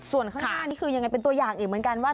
ส่วนข้างหน้านี่คือยังไงเป็นตัวอย่างอีกเหมือนกันว่า